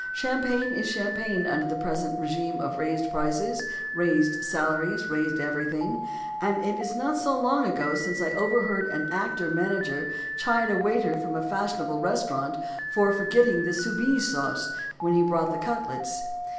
Champagne is champagne under the present regime of raised prices, raised salaries, raised everything; and it is not so long since I overheard an actor manager chide a waiter from a fashionable restaurant, for forgetting the Soubise sauce, when he brought the cutlets.